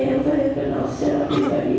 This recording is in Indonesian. yang saya kenal secara pribadi